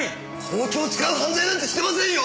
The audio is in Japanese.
包丁を使う犯罪なんてしてませんよ！